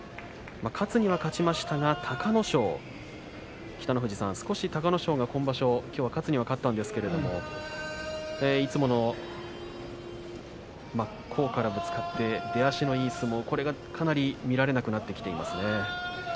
勝つには勝ちましたが、隆の勝北の富士さん、少し隆の勝は今場所勝つには勝ったんですけれどもいつもの真っ向からぶつかって出足のいい相撲、これが見られなくなってきていますね。